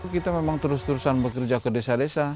kita memang terus terusan bekerja ke desa desa